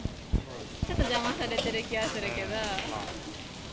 ちょっと邪魔されてる気はするけど。